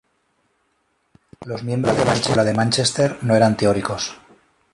Los miembros de la escuela de Mánchester no eran teóricos.